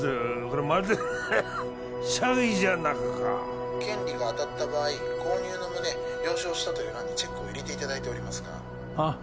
これまるで詐欺じゃなかか☎権利が当たった場合購入の旨☎了承したという欄にチェックを入れていただいておりますがはっ？